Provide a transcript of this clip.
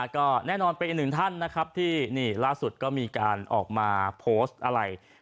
ก็แน่นอนเป็นอีกหนึ่งท่านนะครับที่นี่ล่าสุดก็มีการออกมาโพสต์อะไร